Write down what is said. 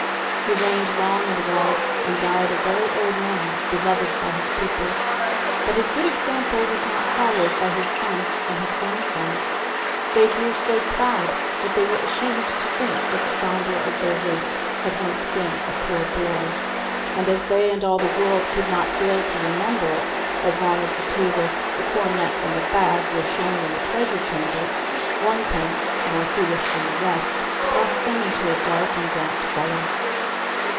He reigned long and well, and died a very old man, beloved by his people. But his good example was not followed by his sons and his grandsons. They grew so proud that they were ashamed to think that the founder of their race had once been a poor boy; and as they and all the world could not fail to remember it, as long as the table, the cornet, and the bag were shown in the treasure chamber, one king, more foolish than the rest, thrust them into a dark and damp cellar.